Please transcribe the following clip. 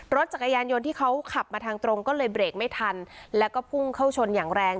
รถจักรยานยนต์ที่เขาขับมาทางตรงก็เลยเบรกไม่ทันแล้วก็พุ่งเข้าชนอย่างแรง